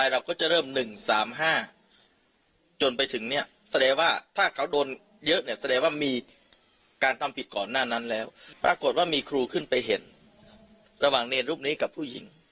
ระหว่างเนรูปนี้กับผู้หญิง